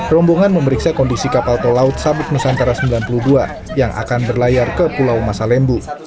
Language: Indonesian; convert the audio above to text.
rombongan memeriksa kondisi kapal tol laut sabuk nusantara sembilan puluh dua yang akan berlayar ke pulau masalembu